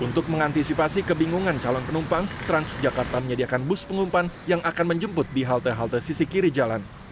untuk mengantisipasi kebingungan calon penumpang transjakarta menyediakan bus pengumpan yang akan menjemput di halte halte sisi kiri jalan